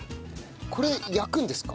これ焼くんですか？